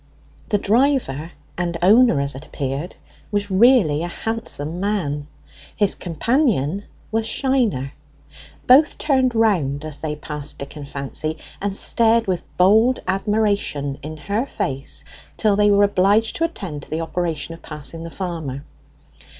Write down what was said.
The driver, and owner as it appeared, was really a handsome man; his companion was Shiner. Both turned round as they passed Dick and Fancy, and stared with bold admiration in her face till they were obliged to attend to the operation of passing the farmer.